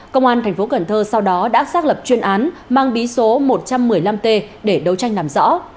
công an thành phố cần thơ sau đó đã xác lập chuyên án mang bí số một trăm một mươi năm t để đấu tranh làm rõ